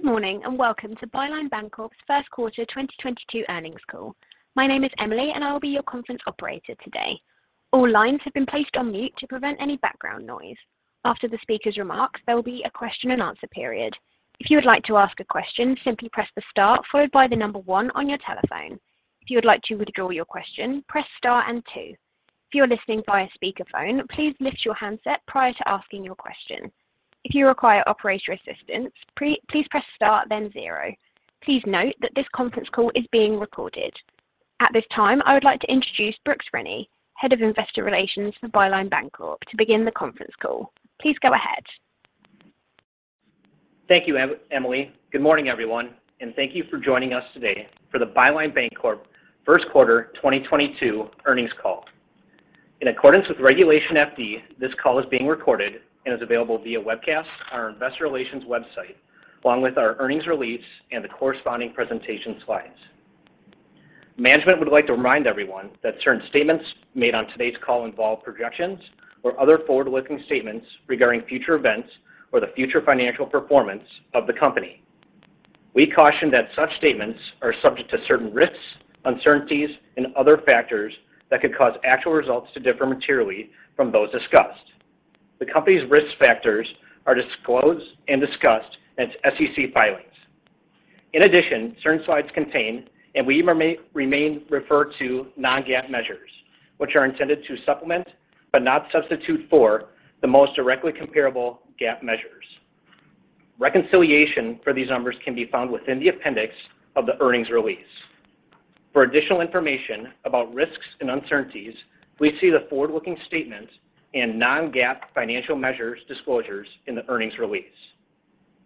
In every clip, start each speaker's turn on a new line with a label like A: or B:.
A: Good morning, and welcome to Byline Bancorp's first quarter 2022 earnings call. My name is Emily, and I will be your conference operator today. All lines have been placed on mute to prevent any background noise. After the speaker's remarks, there will be a question-and-answer period. If you would like to ask a question, simply press the star followed by the number 1 on your telephone. If you would like to withdraw your question, press star and two. If you are listening via speakerphone, please lift your handset prior to asking your question. If you require operator assistance, please press star then zero. Please note that this conference call is being recorded. At this time, I would like to introduce Brooks Rennie, Head of Investor Relations for Byline Bancorp, to begin the conference call. Please go ahead.
B: Thank you, Emily. Good morning, everyone, and thank you for joining us today for the Byline Bancorp first quarter 2022 earnings call. In accordance with Regulation FD, this call is being recorded and is available via webcast on our investor relations website, along with our earnings release and the corresponding presentation slides. Management would like to remind everyone that certain statements made on today's call involve projections or other forward-looking statements regarding future events or the future financial performance of the company. We caution that such statements are subject to certain risks, uncertainties and other factors that could cause actual results to differ materially from those discussed. The company's risk factors are disclosed and discussed in its SEC filings. In addition, certain slides contain and we may refer to non-GAAP measures, which are intended to supplement, but not substitute for, the most directly comparable GAAP measures. Reconciliation for these numbers can be found within the appendix of the earnings release. For additional information about risks and uncertainties, please see the forward-looking statements and non-GAAP financial measures disclosures in the earnings release.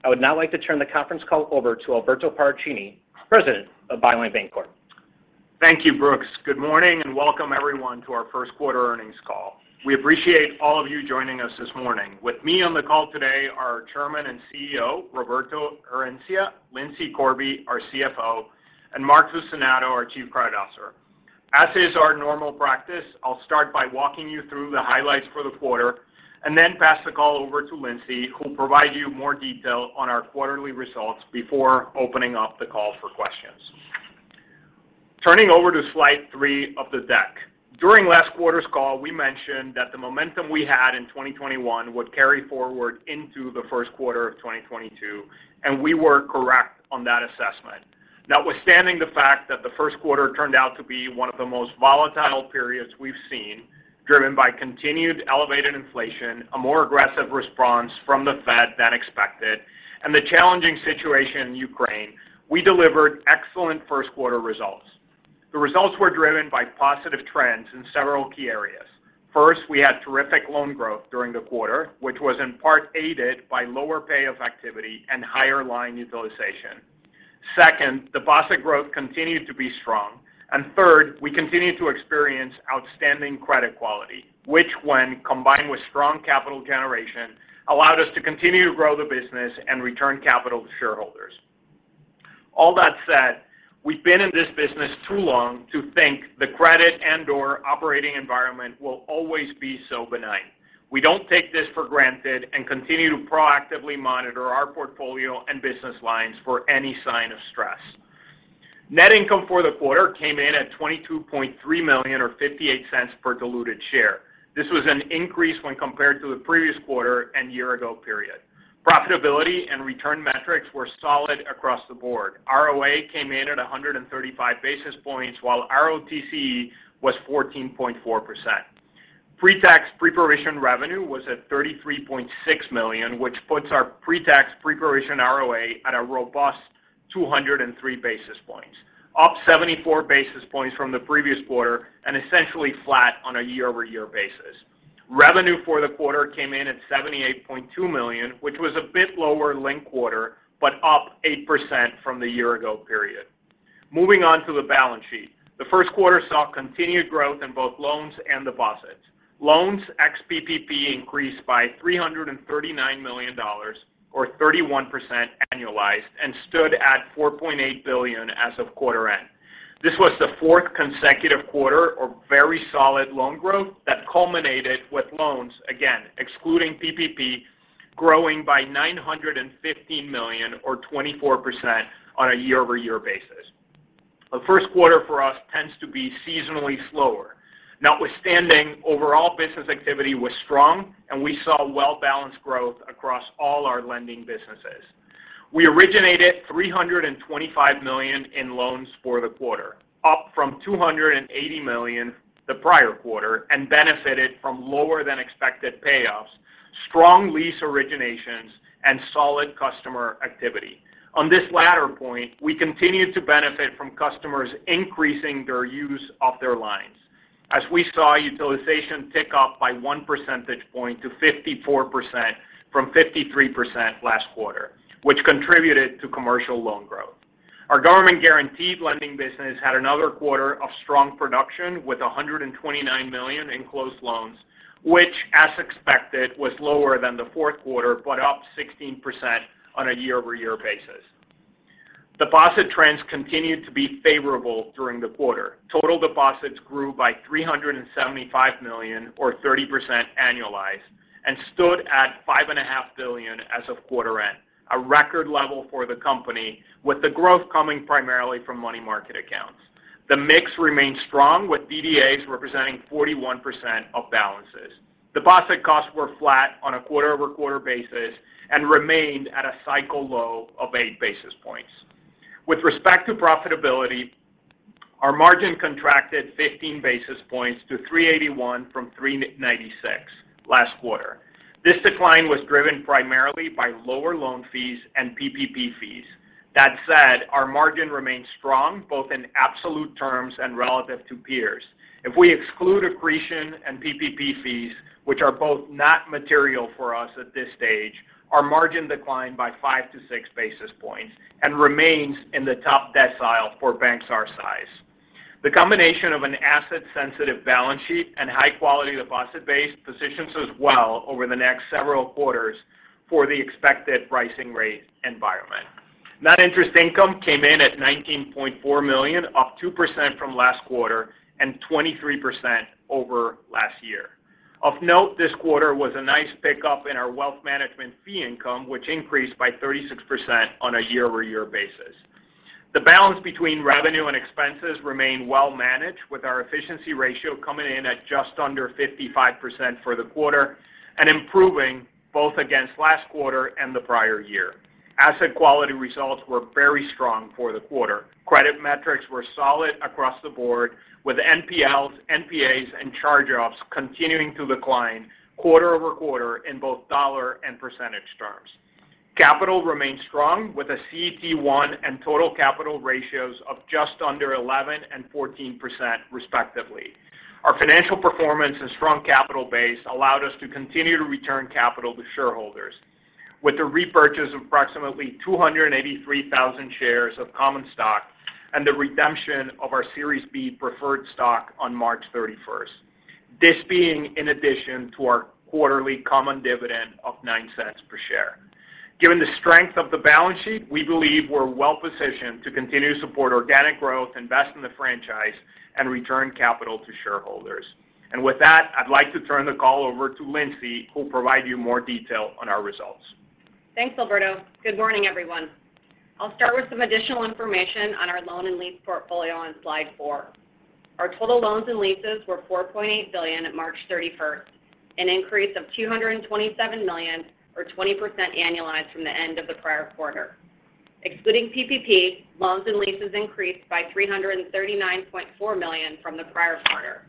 B: I would now like to turn the conference call over to Alberto Paracchini, President of Byline Bancorp.
C: Thank you, Brooks. Good morning, and welcome everyone to our first quarter earnings call. We appreciate all of you joining us this morning. With me on the call today are our Chairman and CEO, Roberto Herencia, Lindsay Corby, our CFO, and Mark Fucinato, our Chief Credit Officer. As is our normal practice, I'll start by walking you through the highlights for the quarter and then pass the call over to Lindsay, who will provide you more detail on our quarterly results before opening up the call for questions. Turning over to slide three of the deck. During last quarter's call, we mentioned that the momentum we had in 2021 would carry forward into the first quarter of 2022, and we were correct on that assessment. Notwithstanding the fact that the first quarter turned out to be one of the most volatile periods we've seen, driven by continued elevated inflation, a more aggressive response from the Fed than expected, and the challenging situation in Ukraine, we delivered excellent first quarter results. The results were driven by positive trends in several key areas. First, we had terrific loan growth during the quarter, which was in part aided by lower payoff activity and higher line utilization. Second, deposit growth continued to be strong. Third, we continued to experience outstanding credit quality, which when combined with strong capital generation, allowed us to continue to grow the business and return capital to shareholders. All that said, we've been in this business too long to think the credit and/or operating environment will always be so benign. We don't take this for granted and continue to proactively monitor our portfolio and business lines for any sign of stress. Net income for the quarter came in at 22.3 million or 0.58 per diluted share. This was an increase when compared to the previous quarter and year-ago period. Profitability and return metrics were solid across the board. ROA came in at 135 basis points, while ROTCE was 14.4%. Pre-tax pre-provision revenue was at 33.6 million, which puts our pre-tax pre-provision ROA at a robust 203 basis points, up 74 basis points from the previous quarter and essentially flat on a year-over-year basis. Revenue for the quarter came in at 78.2 million, which was a bit lower linked-quarter, but up 8% from the year-ago period. Moving on to the balance sheet. The first quarter saw continued growth in both loans and deposits. Loans ex-PPP increased by $339 million or 31% annualized and stood at $4.8 billion as of quarter end. This was the fourth consecutive quarter of very solid loan growth that culminated with loans, again, excluding PPP, growing by 950 million or 24% on a year-over-year basis. The first quarter for us tends to be seasonally slower. Notwithstanding, overall business activity was strong and we saw well-balanced growth across all our lending businesses. We originated 325 million in loans for the quarter, up from 280 million the prior quarter, and benefited from lower than expected payoffs, strong lease originations, and solid customer activity. On this latter point, we continue to benefit from customers increasing their use of their lines. As we saw utilization tick up by one percentage point to 54% from 53% last quarter, which contributed to commercial loan growth. Our government guaranteed lending business had another quarter of strong production with 129 million in closed loans, which as expected, was lower than the fourth quarter, but up 16% on a year-over-year basis. Deposit trends continued to be favorable during the quarter. Total deposits grew by 375 million or 30% annualized and stood at 5.5 billion as of quarter end, a record level for the company with the growth coming primarily from money market accounts. The mix remained strong with DDAs representing 41% of balances. Deposit costs were flat on a quarter-over-quarter basis and remained at a cycle low of eight basis points. With respect to profitability, our margin contracted 15 basis points to 3.81 from 3.96 last quarter. This decline was driven primarily by lower loan fees and PPP fees. That said, our margin remains strong both in absolute terms and relative to peers. If we exclude accretion and PPP fees, which are both not material for us at this stage, our margin declined by five-six basis points and remains in the top decile for banks our size. The combination of an asset-sensitive balance sheet and high quality deposit base positions us well over the next several quarters for the expected rising rate environment. Net interest income came in at 19.4 million, up 2% from last quarter and 23% over last year. Of note this quarter was a nice pickup in our wealth management fee income, which increased by 36% on a year-over-year basis. The balance between revenue and expenses remain well managed with our efficiency ratio coming in at just under 55% for the quarter and improving both against last quarter and the prior year. Asset quality results were very strong for the quarter. Credit metrics were solid across the board with NPLs, NPAs, and charge-offs continuing to decline quarter-over-quarter in both dollar and percentage terms. Capital remained strong with a CET1 and total capital ratios of just under 11 and 14% respectively. Our financial performance and strong capital base allowed us to continue to return capital to shareholders. With the repurchase of approximately 283,000 shares of common stock and the redemption of our Series B preferred stock on March 31st. This being in addition to our quarterly common dividend of 0.09 per share. Given the strength of the balance sheet, we believe we're well positioned to continue to support organic growth, invest in the franchise, and return capital to shareholders. With that, I'd like to turn the call over to Lindsay, who will provide you more detail on our results.
D: Thanks, Alberto. Good morning, everyone. I'll start with some additional information on our loan and lease portfolio on slide four. Our total loans and leases were 4.8 billion at March 31st, an increase of 227 million or 20% annualized from the end of the prior quarter. Excluding PPP, loans and leases increased by 339.4 million from the prior quarter.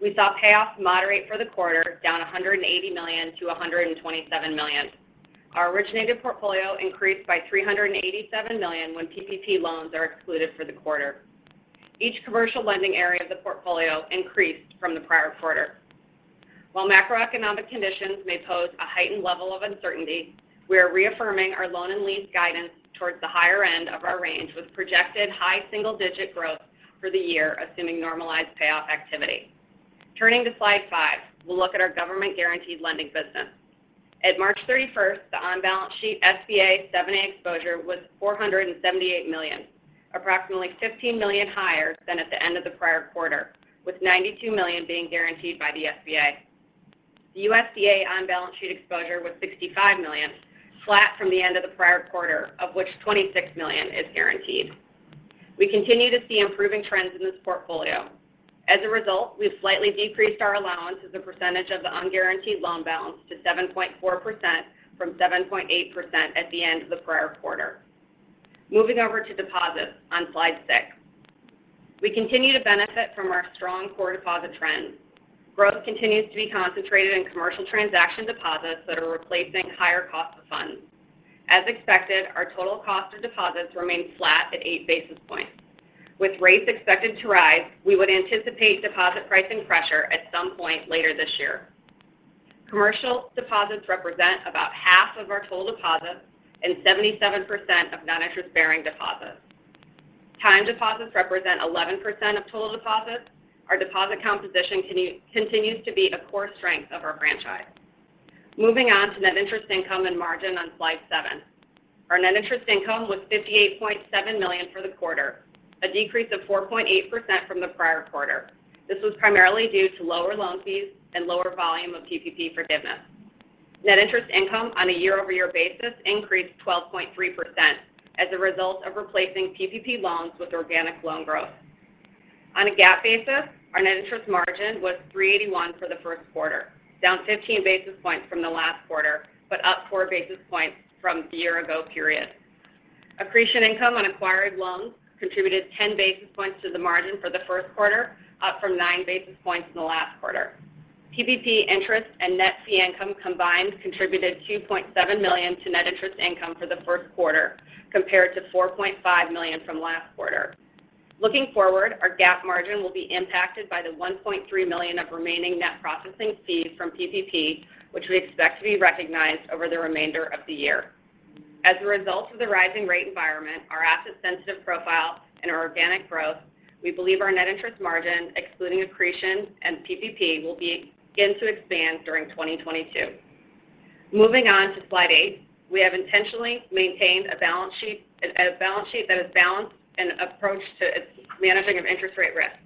D: We saw payoffs moderate for the quarter, down 180 million-127 million. Our originated portfolio increased by 387 million when PPP loans are excluded for the quarter. Each commercial lending area of the portfolio increased from the prior quarter. While macroeconomic conditions may pose a heightened level of uncertainty, we are reaffirming our loan and lease guidance towards the higher end of our range with projected high single digit growth for the year, assuming normalized payoff activity. Turning to slide 5, we'll look at our government guaranteed lending business. At March 31, the on-balance sheet SBA 7(a) exposure was 478 million, approximately 15 million higher than at the end of the prior quarter, with 92 million being guaranteed by the SBA. The USDA on-balance sheet exposure was $65 million, flat from the end of the prior quarter, of which 26 million is guaranteed. We continue to see improving trends in this portfolio. As a result, we've slightly decreased our allowance as a percentage of the unguaranteed loan balance to 7.4% from 7.8% at the end of the prior quarter. Moving over to deposits on slide six. We continue to benefit from our strong core deposit trends. Growth continues to be concentrated in commercial transaction deposits that are replacing higher cost of funds. As expected, our total cost of deposits remained flat at eight basis points. With rates expected to rise, we would anticipate deposit pricing pressure at some point later this year. Commercial deposits represent about half of our total deposits and 77% of non-interest-bearing deposits. Time deposits represent 11% of total deposits. Our deposit composition continues to be a core strength of our franchise. Moving on to net interest income and margin on slide seven. Our net interest income was 58.7 million for the quarter, a decrease of 4.8% from the prior quarter. This was primarily due to lower loan fees and lower volume of PPP forgiveness. Net interest income on a year-over-year basis increased 12.3% as a result of replacing PPP loans with organic loan growth. On a GAAP basis, our net interest margin was 3.81 for the first quarter, down 15 basis points from the last quarter, but up 4 basis points from the year ago period. Accretion income on acquired loans contributed 10 basis points to the margin for the first quarter, up from nine basis points in the last quarter. PPP interest and net fee income combined contributed 2.7 million to net interest income for the first quarter, compared to 4.5 million from last quarter. Looking forward, our GAAP margin will be impacted by the 1.3 million of remaining net processing fees from PPP, which we expect to be recognized over the remainder of the year. As a result of the rising rate environment, our asset sensitive profile and our organic growth, we believe our net interest margin, excluding accretion and PPP, will begin to expand during 2022. Moving on to slide eight. We have intentionally maintained a balance sheet that is balanced and an approach to its management of interest rate risk.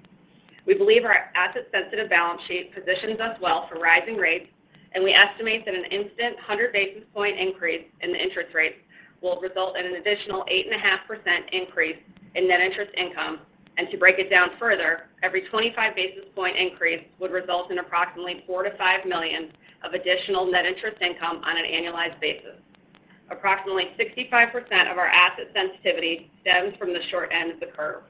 D: We believe our asset-sensitive balance sheet positions us well for rising rates, and we estimate that an immediate 100 basis point increase in the interest rates will result in an additional 8.5% increase in net interest income. To break it down further, every 25 basis point increase would result in approximately 4 million-5 million of additional net interest income on an annualized basis. Approximately 65% of our asset sensitivity stems from the short end of the curve.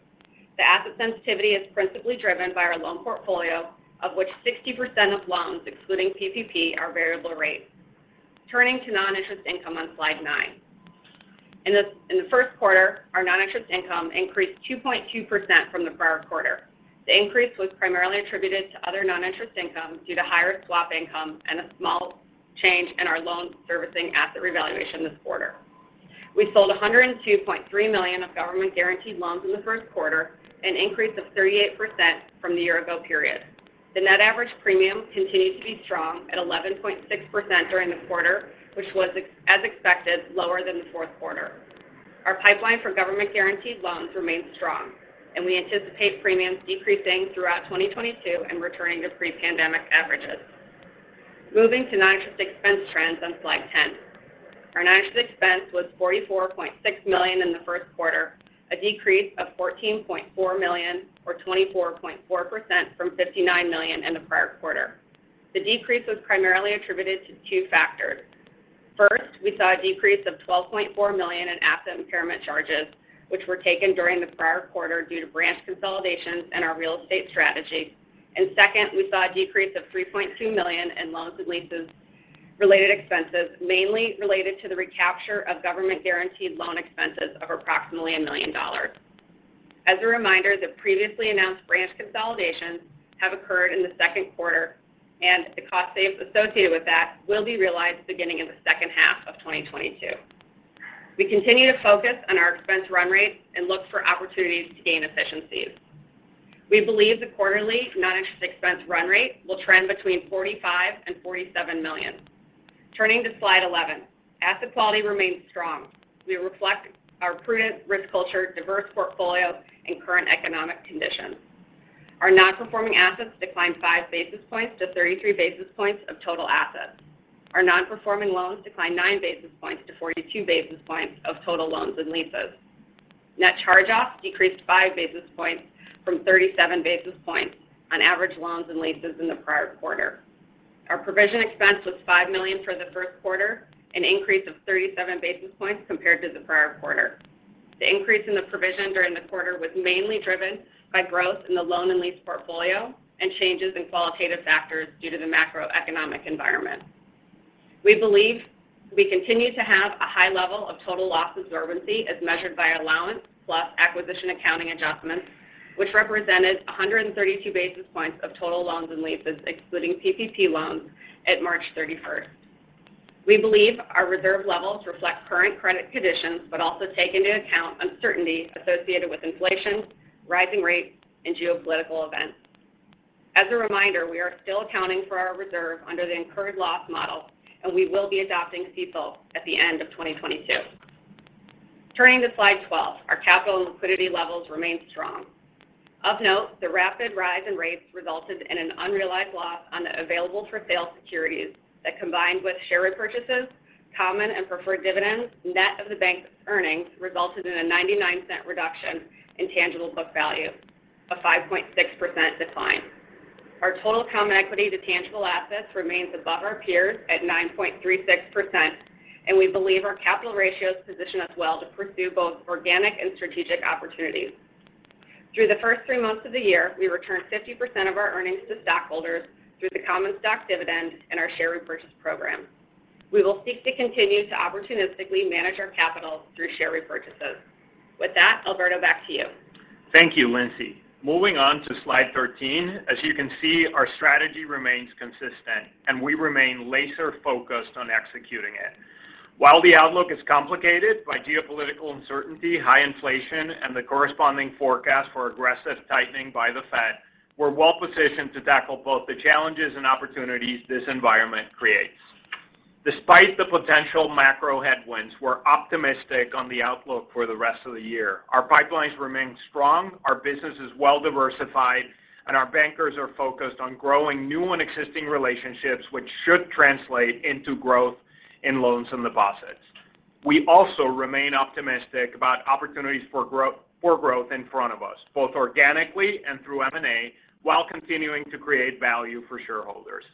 D: The asset sensitivity is principally driven by our loan portfolio, of which 60% of loans, excluding PPP, are variable rate. Turning to non-interest income on slide nine. In the first quarter, our non-interest income increased 2.2% from the prior quarter. The increase was primarily attributed to other non-interest income due to higher swap income and a small change in our loan servicing asset revaluation this quarter. We sold 102.3 million of government guaranteed loans in the first quarter, an increase of 38% from the year ago period. The net average premium continued to be strong at 11.6% during the quarter, which was, as expected, lower than the fourth quarter. Our pipeline for government guaranteed loans remains strong, and we anticipate premiums decreasing throughout 2022 and returning to pre-pandemic averages. Moving to non-interest expense trends on slide 10. Our non-interest expense was 44.6 million in the first quarter, a decrease of 14.4 million or 24.4% from 59 million in the prior quarter. The decrease was primarily attributed to two factors. First, we saw a decrease of 12.4 million in asset impairment charges, which were taken during the prior quarter due to branch consolidations and our real estate strategy. Second, we saw a decrease of 3.2 million in loans and leases related expenses, mainly related to the recapture of government guaranteed loan expenses of approximately $1 million. As a reminder, the previously announced branch consolidations have occurred in the second quarter and the cost saves associated with that will be realized beginning in the second half of 2022. We continue to focus on our expense run rate and look for opportunities to gain efficiencies. We believe the quarterly non-interest expense run rate will trend between 45 million and 47 million. Turning to slide 11. Asset quality remains strong. We reflect our prudent risk culture, diverse portfolio and current economic conditions. Our non-performing assets declined 5 basis points to 33 basis points of total assets. Our non-performing loans declined nine basis points to 42 basis points of total loans and leases. Net charge-offs decreased 5 basis points from 37 basis points on average loans and leases in the prior quarter. Our provision expense was 5 million for the first quarter, an increase of 37 basis points compared to the prior quarter. The increase in the provision during the quarter was mainly driven by growth in the loan and lease portfolio and changes in qualitative factors due to the macroeconomic environment. We believe we continue to have a high level of total loss absorbency as measured by allowance plus acquisition accounting adjustments, which represented 132 basis points of total loans and leases, excluding PPP loans at March 31st. We believe our reserve levels reflect current credit conditions, but also take into account uncertainty associated with inflation, rising rates and geopolitical events. As a reminder, we are still accounting for our reserve under the incurred loss model, and we will be adopting CECL at the end of 2022. Turning to slide 12. Our capital and liquidity levels remain strong. Of note, the rapid rise in rates resulted in an unrealized loss on the available for sale securities that combined with share repurchases, common and preferred dividends, net of the bank's earnings, resulted in a 0.99 reduction in tangible book value, a 5.6% decline. Our total common equity to tangible assets remains above our peers at 9.36%, and we believe our capital ratios position us well to pursue both organic and strategic opportunities. Through the first three months of the year, we returned 50% of our earnings to stockholders through the common stock dividend and our share repurchase program. We will seek to continue to opportunistically manage our capital through share repurchases. With that, Alberto, back to you.
C: Thank you, Lindsay. Moving on to slide 13. As you can see, our strategy remains consistent, and we remain laser-focused on executing it. While the outlook is complicated by geopolitical uncertainty, high inflation and the corresponding forecast for aggressive tightening by the Fed, we're well positioned to tackle both the challenges and opportunities this environment creates. Despite the potential macro headwinds, we're optimistic on the outlook for the rest of the year. Our pipelines remain strong, our business is well diversified, and our bankers are focused on growing new and existing relationships which should translate into growth in loans and deposits. We also remain optimistic about opportunities for growth in front of us, both organically and through M and A, while continuing to create value for shareholders.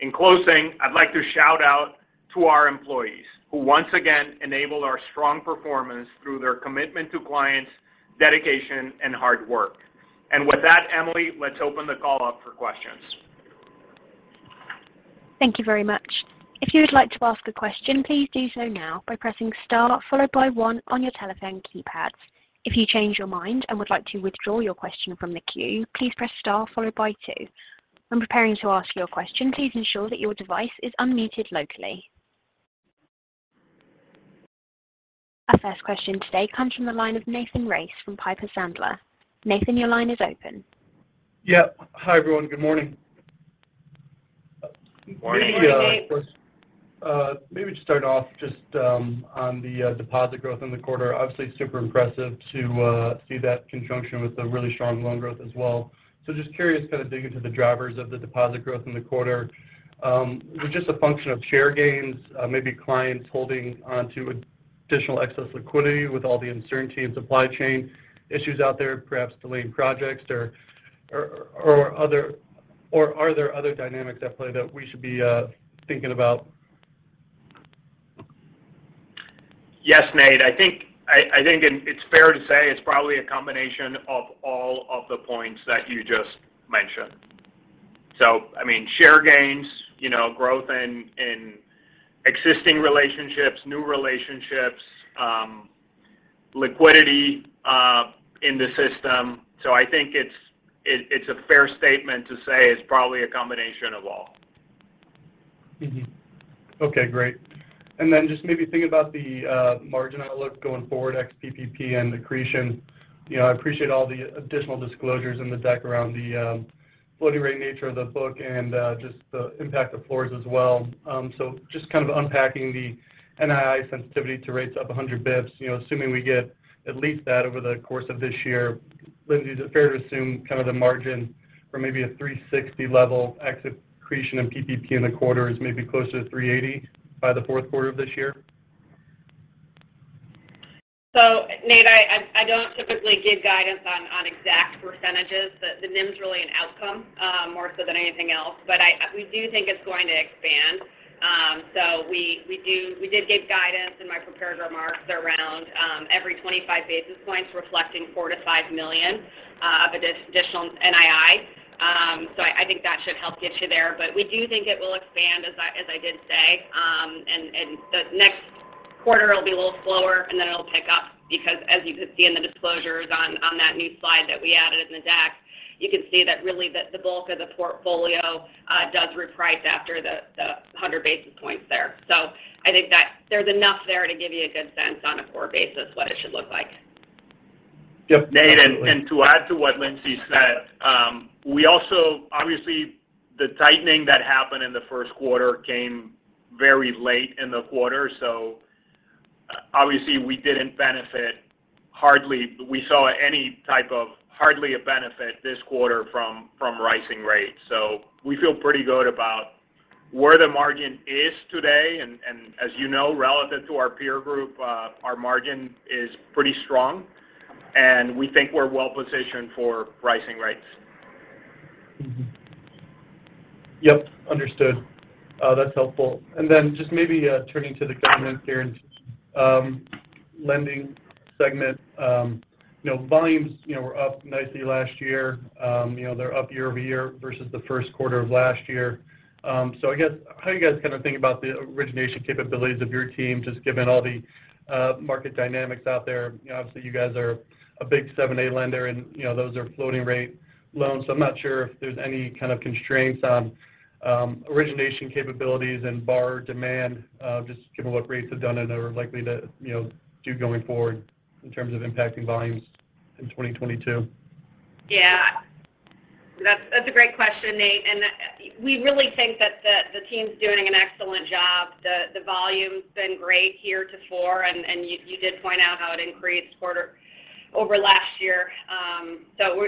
C: In closing, I'd like to shout out to our employees who once again enable our strong performance through their commitment to clients, dedication and hard work. With that, Emily, let's open the call up for questions.
D: Thank you very much. If you would like to ask a question, please do so now by pressing star followed by one on your telephone keypads. If you change your mind and would like to withdraw your question from the queue, please press star followed by two. When preparing to ask your question, please ensure that your device is unmuted locally. Our first question today comes from the line of Nathan Race from Piper Sandler. Nathan, your line is open.
E: Yeah. Hi, everyone. Good morning.
C: Good morning.
D: Good morning, Nate.
E: Maybe just start off just on the deposit growth in the quarter. Obviously super impressive to see that in conjunction with the really strong loan growth as well. Just curious, kind of dig into the drivers of the deposit growth in the quarter. Was it just a function of share gains, maybe clients holding onto additional excess liquidity with all the uncertainty and supply chain issues out there, perhaps delayed projects or other dynamics at play that we should be thinking about?
C: Yes, Nate. I think it's fair to say it's probably a combination of all of the points that you just mentioned. I mean, share gains, you know, growth in existing relationships, new relationships, liquidity in the system. I think it's a fair statement to say it's probably a combination of all.
E: Okay, great. Just maybe thinking about the margin outlook going forward, ex-PPP and accretion. You know, I appreciate all the additional disclosures in the deck around the floating rate nature of the book and just the impact of floors as well. So just kind of unpacking the NII sensitivity to rates up 100 basis points. You know, assuming we get at least that over the course of this year. Lindsay, is it fair to assume kind of the margin for maybe a 3.60% level ex accretion and PPP in the quarter is maybe closer to 3.80% by the fourth quarter of this year?
D: Nate, I don't typically give guidance on exact percentages. NIM's really an outcome more so than anything else. But we do think it's going to expand. We did give guidance in my prepared remarks around every 25 basis points reflecting 4 million-5 million of additional NII. I think that should help get you there. But we do think it will expand as I did say. The next quarter will be a little slower, and then it'll pick up because as you can see in the disclosures on that new slide that we added in the deck, you can see that really the bulk of the portfolio does reprice after the 100 basis points there. I think that there's enough there to give you a good sense on a core basis what it should look like.
C: Yep. Nate, to add to what Lindsay said, we also obviously the tightening that happened in the first quarter came very late in the quarter. Obviously we didn't benefit hardly. We saw hardly any type of benefit this quarter from rising rates. We feel pretty good about where the margin is today. As you know, relative to our peer group, our margin is pretty strong, and we think we're well positioned for rising rates.
E: That's helpful. Then just maybe turning to the government guarantee lending segment. You know, volumes, you know, were up nicely last year. You know, they're up year-over-year versus the first quarter of last year. I guess how are you guys kind of thinking about the origination capabilities of your team, just given all the market dynamics out there? You know, obviously you guys are a big 7(a) lender and, you know, those are floating rate loans. I'm not sure if there's any kind of constraints on origination capabilities and borrower demand, just given what rates have done and are likely to, you know, do going forward in terms of impacting volumes in 2022.
D: Yeah. That's a great question, Nate, and we really think that the team's doing an excellent job. The volume's been great year-to-date, and you did point out how it increased quarter-over-quarter last year.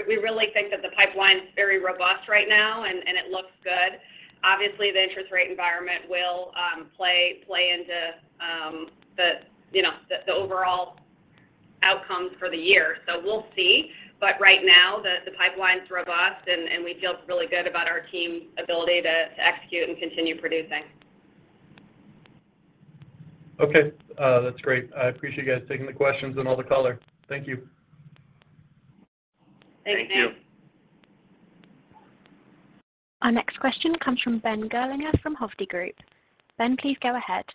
D: We really think that the pipeline's very robust right now and it looks good. Obviously, the interest rate environment will play into you know, the overall outcomes for the year. We'll see. Right now the pipeline's robust and we feel really good about our team's ability to execute and continue producing.
E: Okay. That's great. I appreciate you guys taking the questions and all the color. Thank you.
D: Thanks, Nate.
C: Thank you.
D: Our next question comes from Ben Gerlinger from Hovde Group. Ben, please go ahead.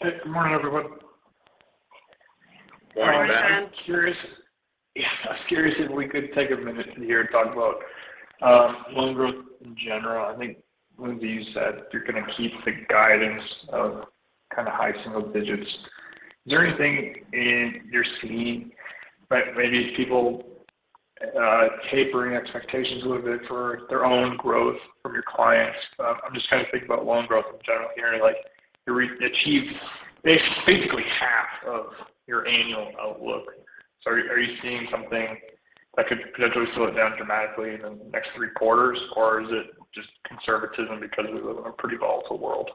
F: Hey. Good morning, everyone.
C: Morning, Ben.
E: I was curious if we could take a minute here to talk about loan growth in general. I think, Lindsay, you said you're gonna keep the guidance of kind of high single digits. Is there anything you're seeing maybe people tapering expectations a little bit for their own growth from your clients? I'm just trying to think about loan growth in general here. Like, you've achieved basically half of your annual outlook. Are you seeing something that could potentially slow it down dramatically in the next three quarters, or is it just conservatism because we live in a pretty volatile world?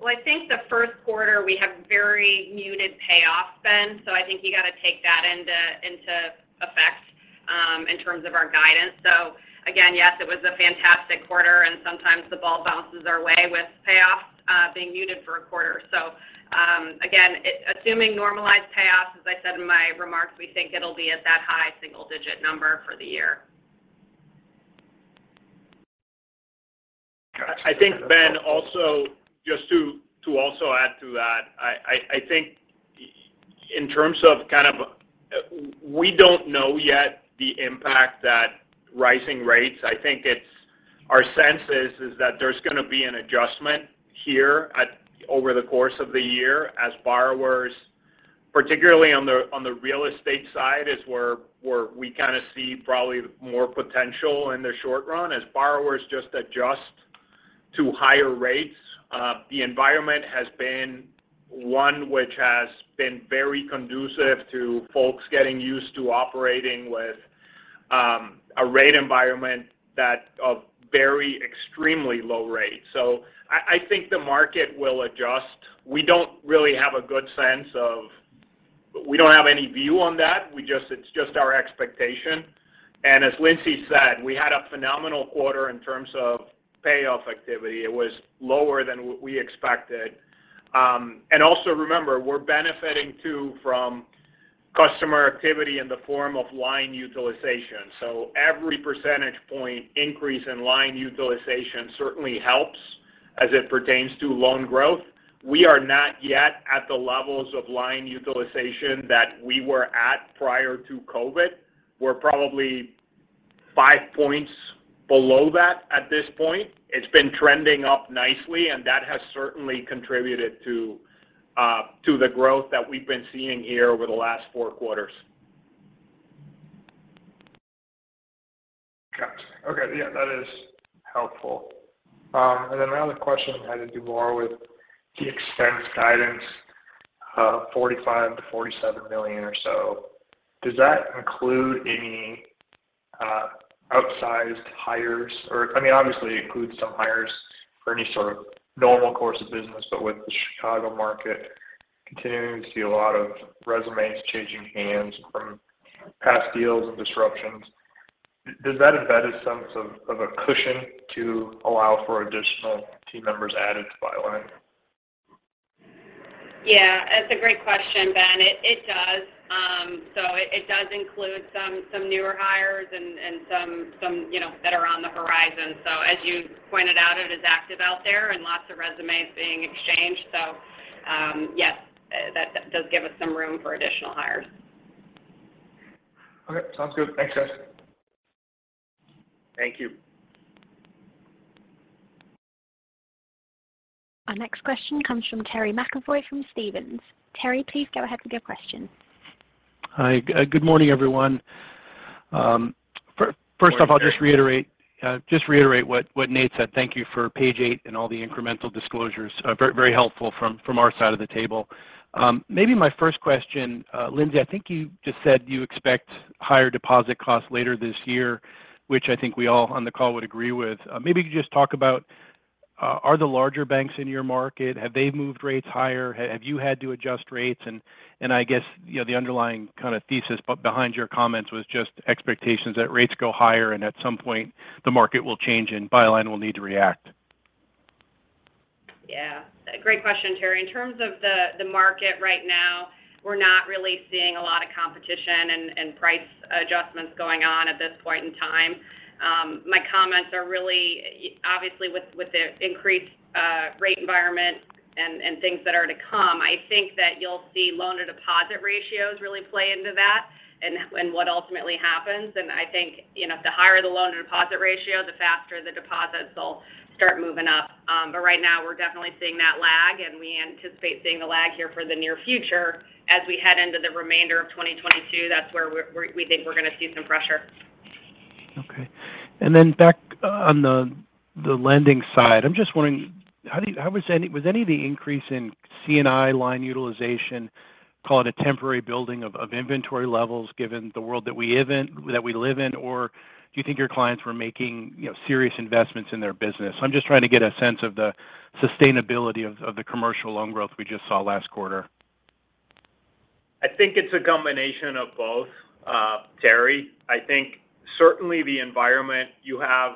D: Well, I think the first quarter we had very muted payoffs, Ben. I think you got to take that into effect, in terms of our guidance. Again, yes, it was a fantastic quarter, and sometimes the ball bounces our way with payoffs being muted for a quarter. Again, assuming normalized payoffs, as I said in my remarks, we think it'll be at that high single digit number for the year.
C: I think, Ben, also just to also add to that. We don't know yet the impact that rising rates. I think it's our sense is that there's gonna be an adjustment here over the course of the year as borrowers, particularly on the real estate side, is where we kinda see probably more potential in the short run as borrowers just adjust to higher rates. The environment has been one which has been very conducive to folks getting used to operating with a rate environment that of very extremely low rates. I think the market will adjust. We don't really have a good sense of. We don't have any view on that. We just. It's just our expectation. As Lindsay said, we had a phenomenal quarter in terms of payoff activity. It was lower than what we expected. Also remember, we're benefiting too from customer activity in the form of line utilization. Every percentage point increase in line utilization certainly helps as it pertains to loan growth. We are not yet at the levels of line utilization that we were at prior to COVID. We're probably five points below that at this point. It's been trending up nicely, and that has certainly contributed to the growth that we've been seeing here over the last four quarters.
F: Got you. Okay. Yeah, that is helpful. My other question had to do more with the expense guidance of 45 million-47 million or so. Does that include any outsized hires? I mean, obviously it includes some hires for any sort of normal course of business. With the Chicago market continuing to see a lot of resumes changing hands from past deals and disruptions, does that embed a sense of a cushion to allow for additional team members added to Byline?
D: Yeah, that's a great question, Ben. It does. So it does include some newer hires and some, you know, that are on the horizon. As you pointed out, it is active out there and lots of resumes being exchanged. Yes, that does give us some room for additional hires.
F: Okay. Sounds good. Thanks, guys.
C: Thank you.
A: Our next question comes from Terry McEvoy from Stephens. Terry, please go ahead with your question.
G: Hi. Good morning, everyone. First of all, I'll just reiterate what Nate said. Thank you for page eight and all the incremental disclosures. Very, very helpful from our side of the table. Maybe my first question, Lindsay, I think you just said you expect higher deposit costs later this year, which I think we all on the call would agree with. Maybe you could just talk about, are the larger banks in your market, have they moved rates higher? Have you had to adjust rates? I guess, you know, the underlying kind of thesis behind your comments was just expectations that rates go higher, and at some point the market will change and Byline will need to react.
D: Yeah. Great question, Terry. In terms of the market right now, we're not really seeing a lot of competition and price adjustments going on at this point in time. My comments are really, obviously with the increased rate environment and things that are to come. I think that you'll see loan-to-deposit ratios really play into that and what ultimately happens. I think, you know, the higher the loan-to-deposit ratio, the faster the deposits will start moving up. Right now we're definitely seeing that lag, and we anticipate seeing the lag here for the near future as we head into the remainder of 2022. That's where we think we're going to see some pressure.
G: Okay. Back on the lending side. I'm just wondering how was any of the increase in C&I line utilization called a temporary building of inventory levels given the world that we live in? Or do you think your clients were making, you know, serious investments in their business? I'm just trying to get a sense of the sustainability of the commercial loan growth we just saw last quarter.
C: I think it's a combination of both, Terry. I think certainly the environment, you have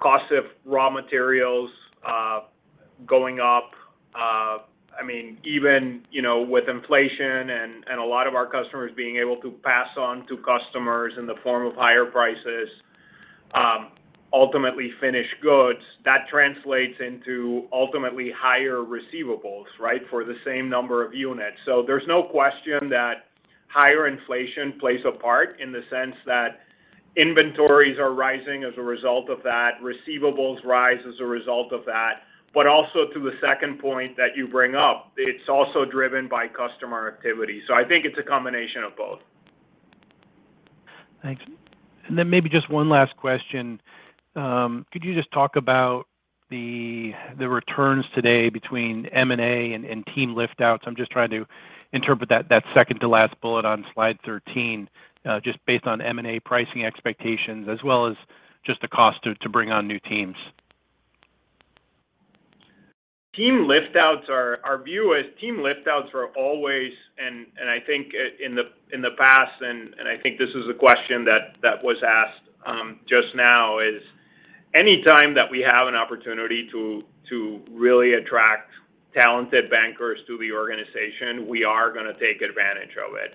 C: costs of raw materials going up. I mean, even, you know, with inflation and a lot of our customers being able to pass on to customers in the form of higher prices, ultimately finished goods, that translates into ultimately higher receivables, right, for the same number of units. So there's no question that higher inflation plays a part in the sense that inventories are rising as a result of that, receivables rise as a result of that. But also to the second point that you bring up, it's also driven by customer activity. So I think it's a combination of both.
G: Thanks. Then maybe just one last question. Could you just talk about the returns today between M and A and team lift outs? I'm just trying to interpret that second to last bullet on slide 13, just based on M and A pricing expectations as well as just the cost to bring on new teams.
C: Our view is team lift outs are always. I think in the past this is a question that was asked just now, is any time that we have an opportunity to really attract talented bankers to the organization, we are gonna take advantage of it.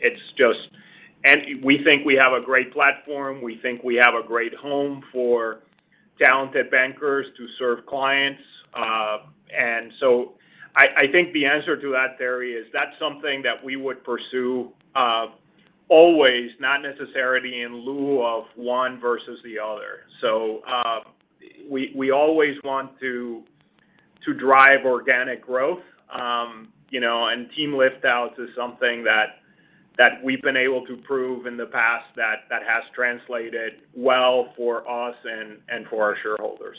C: It's just. We think we have a great platform. We think we have a great home for talented bankers to serve clients. I think the answer to that, Terry, is that's something that we would pursue always, not necessarily in lieu of one versus the other. We always want to drive organic growth. You know, team lift outs is something that we've been able to prove in the past that has translated well for us and for our shareholders.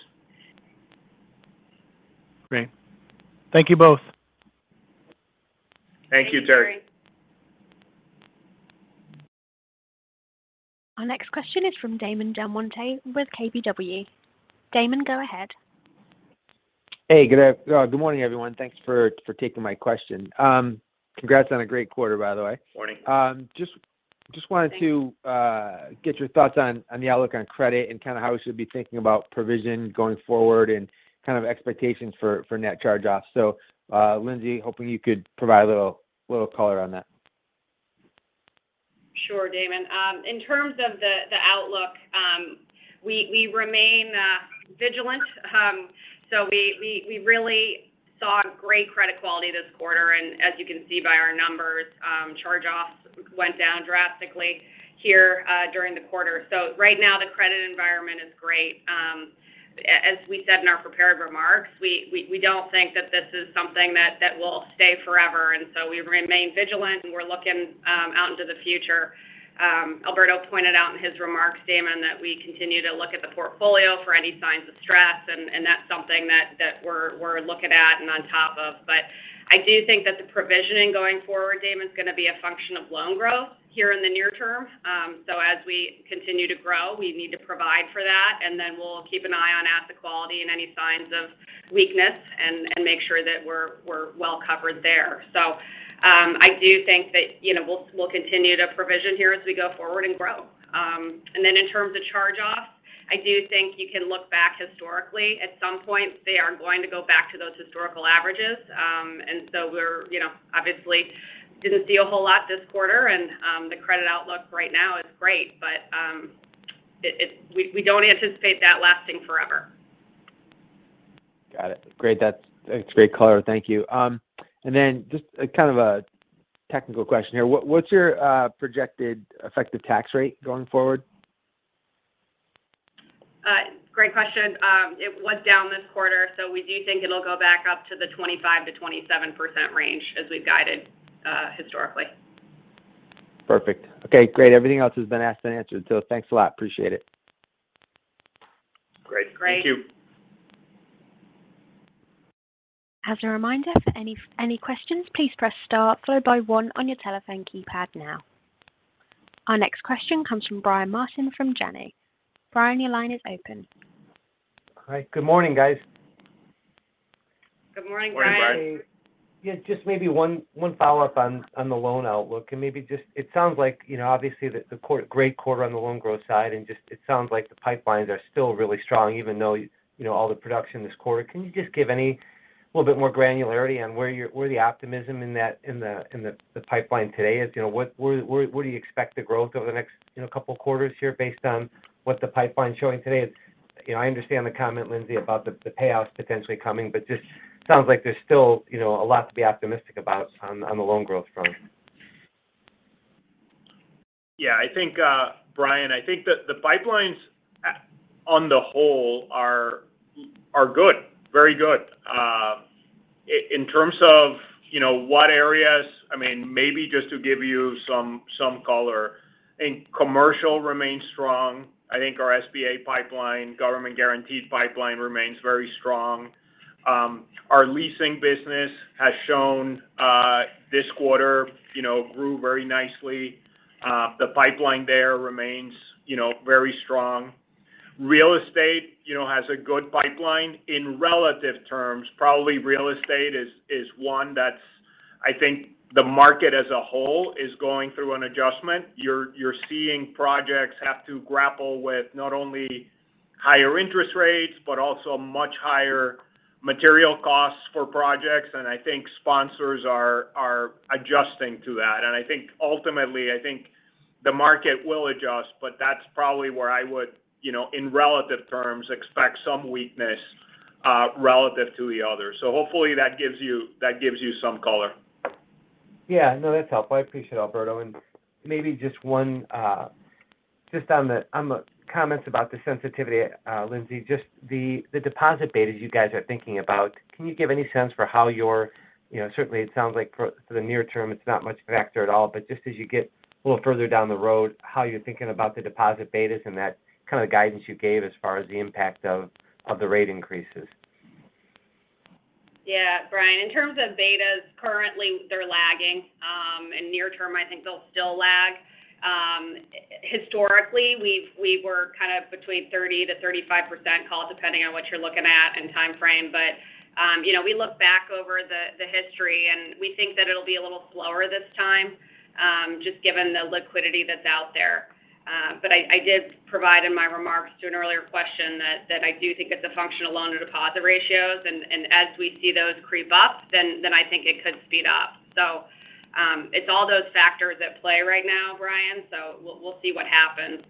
G: Great. Thank you both.
C: Thank you, Terry.
D: Thank you.
A: Our next question is from Damon DelMonte with KBW. Damon, go ahead.
H: Hey. Good morning, everyone. Thanks for taking my question. Congrats on a great quarter, by the way.
C: Morning.
H: Just wanted to get your thoughts on the outlook on credit and kind of how we should be thinking about provision going forward and kind of expectations for net charge-offs. Lindsay, hoping you could provide a little color on that.
D: Sure, Damon. In terms of the outlook, we remain vigilant. We really saw great credit quality this quarter, and as you can see by our numbers, charge-offs went down drastically here during the quarter. Right now, the credit environment is great. As we said in our prepared remarks, we don't think that this is something that will stay forever, and we remain vigilant, and we're looking out into the future. Alberto pointed out in his remarks, Damon, that we continue to look at the portfolio for any signs of stress and that's something that we're looking at and on top of. I do think that the provisioning going forward, Damon, is gonna be a function of loan growth here in the near term. As we continue to grow, we need to provide for that, and then we'll keep an eye on asset quality and any signs of weakness and make sure that we're well-covered there. I do think that, you know, we'll continue to provision here as we go forward and grow. In terms of charge-offs, I do think you can look back historically. At some point they are going to go back to those historical averages. We're, you know, obviously didn't see a whole lot this quarter and the credit outlook right now is great, but it. We don't anticipate that lasting forever.
H: Got it. Great. That's great color. Thank you. Just kind of a technical question here. What's your projected effective tax rate going forward?
D: Great question. It was down this quarter, so we do think it'll go back up to the 25%-27% range as we've guided, historically.
H: Perfect. Okay. Great. Everything else has been asked and answered. Thanks a lot. Appreciate it.
C: Great.
D: Great.
C: Thank you.
A: As a reminder, for any questions, please press star followed by one on your telephone keypad now. Our next question comes from Brian Martin from Janney. Brian, your line is open.
I: Hi. Good morning, guys.
D: Good morning, Brian.
C: Morning, Brian.
H: Yeah, just maybe one follow-up on the loan outlook and maybe just it sounds like, you know, obviously the quarter, great quarter on the loan growth side and just it sounds like the pipelines are still really strong even though, you know, all the production this quarter. Can you just give any little bit more granularity on where the optimism in that, in the pipeline today is? You know, what, where do you expect the growth over the next, you know, couple quarters here based on what the pipeline's showing today? You know, I understand the comment, Lindsay, about the payoffs potentially coming, but just sounds like there's still, you know, a lot to be optimistic about on the loan growth front.
C: Yeah. I think, Brian, I think the pipelines on the whole are good, very good. In terms of, you know, what areas, I mean, maybe just to give you some color, I think commercial remains strong. I think our SBA pipeline, government guaranteed pipeline remains very strong. Our leasing business has shown this quarter, you know, grew very nicely. The pipeline there remains, you know, very strong. Real estate, you know, has a good pipeline. In relative terms, probably real estate is one that's I think the market as a whole is going through an adjustment. You're seeing projects have to grapple with not only higher interest rates but also much higher material costs for projects, and I think sponsors are adjusting to that. I think ultimately, I think the market will adjust, but that's probably where I would, you know, in relative terms expect some weakness, relative to the others. Hopefully that gives you some color.
I: Yeah. No, that's helpful. I appreciate it, Alberto. Maybe just one, just on the comments about the sensitivity, Lindsay, just the deposit betas you guys are thinking about, can you give any sense for how you're, you know, certainly it sounds like for the near term it's not much of a factor at all, but just as you get a little further down the road, how you're thinking about the deposit betas and that kind of guidance you gave as far as the impact of the rate increases.
D: Yeah. Brian, in terms of betas, currently they're lagging. Near term I think they'll still lag. Historically we were kind of between 30%-35% I'd call depending on what you're looking at and timeframe. You know, we look back over the history, and we think that it'll be a little slower this time, just given the liquidity that they. I did provide in my remarks to an earlier question that I do think it's a function of loan-to-deposit ratios. As we see those creep up, then I think it could speed up. It's all those factors at play right now, Brian. We'll see what happens.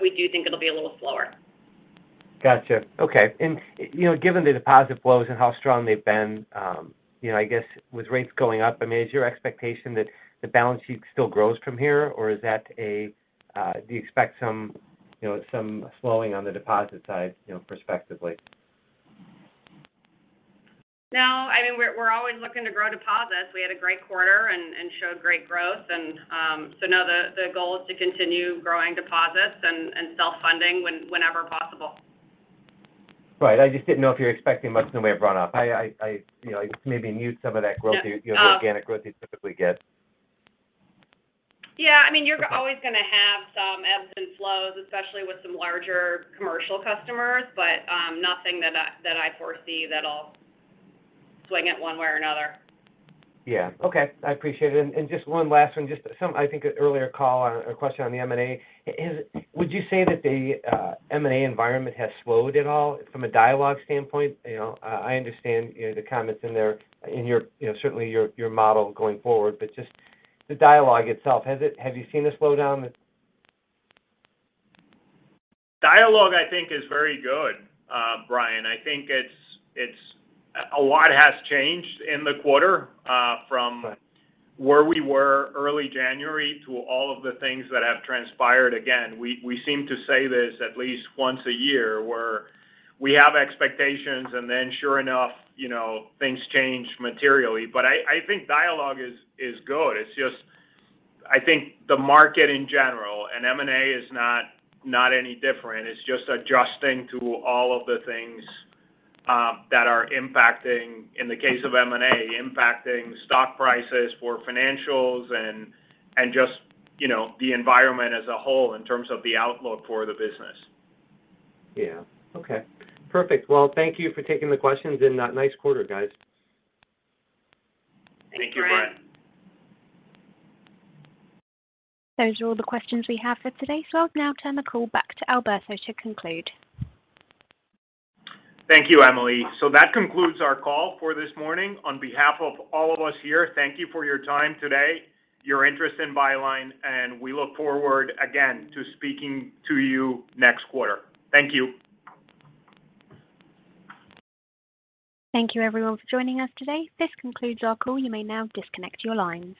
D: We do think it'll be a little slower.
I: Gotcha. Okay. You know, given the deposit flows and how strong they've been, you know, I guess with rates going up, I mean, is your expectation that the balance sheet still grows from here, or do you expect some, you know, some slowing on the deposit side, you know, prospectively?
D: No. I mean, we're always looking to grow deposits. We had a great quarter and showed great growth. No, the goal is to continue growing deposits and self-funding whenever possible.
H: Right. I just didn't know if you're expecting much in the way of run-up. I, you know, maybe muted some of that growth, you know, the organic growth you typically get.
D: Yeah. I mean, you're always gonna have some ebbs and flows, especially with some larger commercial customers. Nothing that I foresee that'll swing it one way or another.
I: Yeah. Okay, I appreciate it. Just one last one. I think an earlier call or a question on the M and A. Would you say that the M and A environment has slowed at all from a dialogue standpoint? You know, I understand, you know, the comments in there in your, you know, certainly your model going forward, but just the dialogue itself, have you seen a slowdown that-
C: Dialogue, I think, is very good, Brian. I think it's. A lot has changed in the quarter, from where we were early January to all of the things that have transpired. Again, we seem to say this at least once a year, where we have expectations and then sure enough, you know, things change materially. I think dialogue is good. It's just I think the market in general, and M&A is not any different. It's just adjusting to all of the things that are impacting, in the case of M and A, impacting stock prices for financials and just, you know, the environment as a whole in terms of the outlook for the business.
I: Yeah. Okay. Perfect. Well, thank you for taking the questions, and nice quarter, guys.
D: Thanks, Brian.
C: Thank you, Brian.
A: Those are all the questions we have for today. I'll now turn the call back to Alberto to conclude.
C: Thank you, Emily. That concludes our call for this morning. On behalf of all of us here, thank you for your time today, your interest in Byline, and we look forward again to speaking to you next quarter. Thank you.
A: Thank you everyone for joining us today. This concludes our call. You may now disconnect your line.